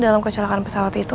dalam kecelakaan pesawat itu